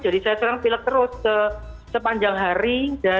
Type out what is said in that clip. jadi saya sekarang pilek terus sepanjang hari